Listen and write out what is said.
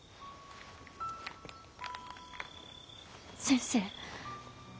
先生。